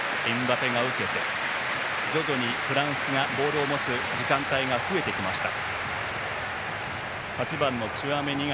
徐々にフランスがボールを持つ時間帯が増えてきました。